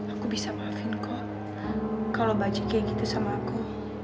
aku bisa maafin kok kalau baju kayak gitu sama aku